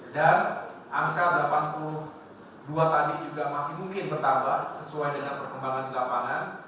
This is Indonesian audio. dan angka delapan puluh dua tadi juga masih mungkin bertambah sesuai dengan perkembangan di lapangan